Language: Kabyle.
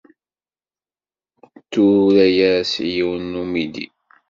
Tura-as i yiwen n umidi.